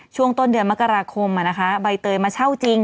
ช่วงต้นเดือนมกราคมใบเตยมาเช่าจริง